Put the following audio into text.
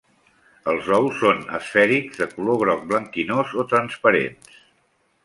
Els ous són esfèrics, de color groc blanquinós o transparents.